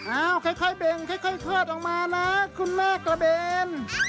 เอาค่อยเบ่งค่อยเคิดออกมานะคุณแม่กระเบน